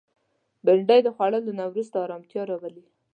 بېنډۍ د خوړلو نه وروسته ارامتیا راولي